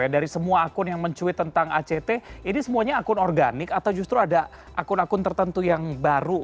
dari semua akun yang mencuit tentang act ini semuanya akun organik atau justru ada akun akun tertentu yang baru